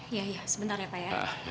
iya iya sebentar ya pak ya